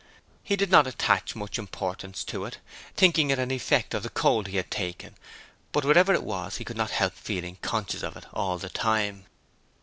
He did not attach much importance to it, thinking it an effect of the cold he had taken, but whatever it was he could not help feeling conscious of it all the time.